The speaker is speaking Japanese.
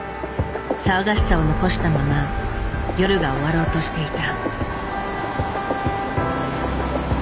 騒がしさを残したまま夜が終わろうとしていた。